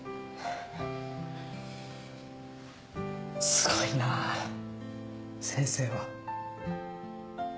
すごいなぁ先生は。